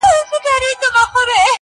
تر هر بیته مي راځې بیرته پناه سې؛